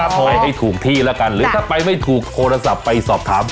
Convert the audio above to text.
ไปให้ถูกที่แล้วกันหรือถ้าไปไม่ถูกโทรศัพท์ไปสอบถาม